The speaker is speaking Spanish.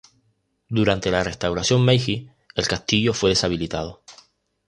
Durante la Restauración Meiji, el castillo fue deshabilitado.